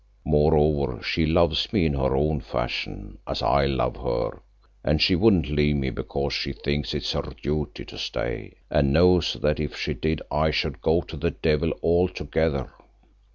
Moreover, she loves me in her own fashion, as I love her, and she wouldn't leave me because she thinks it her duty to stay and knows that if she did, I should go to the devil altogether.